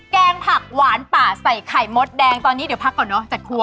แกงผักหวานป่าใส่ไข่มดแดงตอนนี้เดี๋ยวพักก่อนเนอะจากครัว